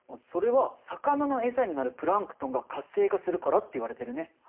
それは魚の餌になるプランクトンが活性化するからっていわれてるね。